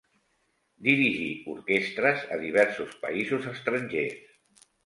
Dirigí orquestres a diversos països estrangers.